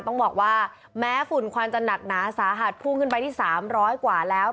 ต้องบอกว่าแม้ฝุ่นควันจะหนักหนาสาหัสพุ่งขึ้นไปที่๓๐๐กว่าแล้ว